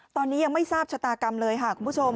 ตอนนี้ยังไม่ทราบชะตากรรมเลยค่ะคุณผู้ชม